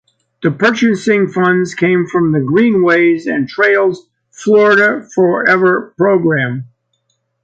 The purchasing funds came from the Greenways and Trails Florida Forever program.